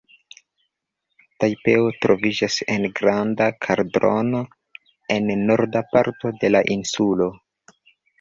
Tajpeo troviĝas en granda kaldrono en norda parto de la insulo.